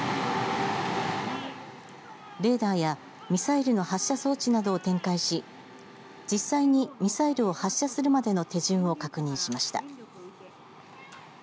レーダーやミサイルの発射装置などを展開し実際にミサイルを発射するまでの手順を確認しました。